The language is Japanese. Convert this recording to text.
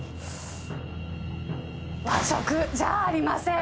和食じゃありません。